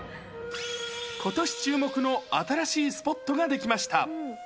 ことし注目の新しいスポットが出来ました。